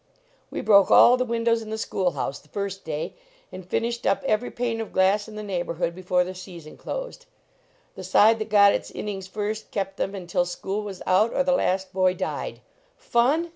We broke all the windows in the school house the first day, and finished up every pane of glass in the neighborhood before the season closed. The side that got its innings first kept them until school was out or the last boy died. Fun?